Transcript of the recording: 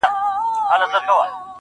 خو ميکده کي په سجدې، راته راوبهيدې,